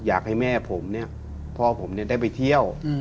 อยากให้แม่ผมพ่อผมได้ไปเที่ยว